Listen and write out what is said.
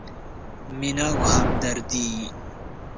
مینه او همدردي: